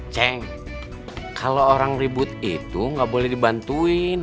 ceng kalau orang ribut itu gak boleh dibantuin